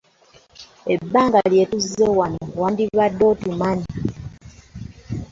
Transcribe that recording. Ebbanga lye tuzze wano wandibadde kati otumanyi.